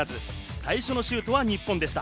最初のシュートは日本でした。